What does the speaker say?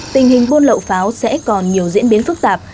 tình hình buôn lậu pháo sẽ còn nhiều diễn biến phức tạp